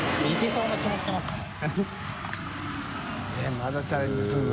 ┐まだチャレンジするの？